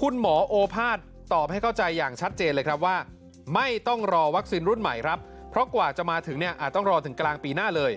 คุณหมอโอภาษย์ตอบให้เข้าใจอย่างชัดเจนเลยครับว่าไม่ต้องรอวัคซีนรุ่นใหม่ครับเพราะกว่าจะมาถึงเนี่ยอาจต้องรอถึงกลางปีหน้าเลย